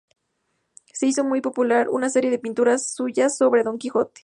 Se hizo muy popular una serie de pinturas suyas sobre Don Quijote.